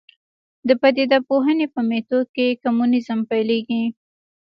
د پدیده پوهنې په میتود کې کمونیزم پیلېږي.